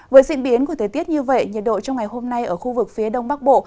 với diễn biến của thời tiết như vậy nhiệt độ trong ngày hôm nay ở khu vực phía đông bắc bộ